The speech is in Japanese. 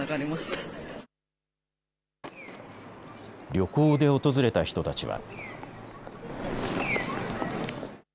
旅行で訪れた人たちは。